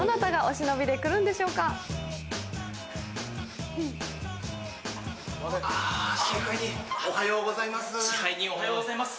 支配人おはようございます。